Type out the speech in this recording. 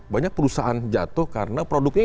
banyak perusahaan jatuh karena produknya